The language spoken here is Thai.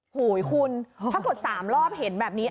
โหยคุณถ้าเกิด๓รอบเห็นแบบนี้